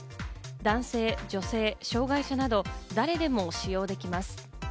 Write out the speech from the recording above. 男性、女性、障害者など誰でも使用できます。